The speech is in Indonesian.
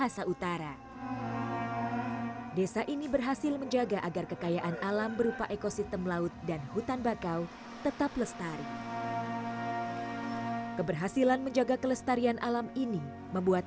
surga bawah laut